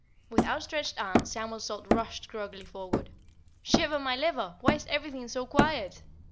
With outstretched arms Samuel Salt rushed groggily forward. "Shiver my liver! Why's everything so quiet?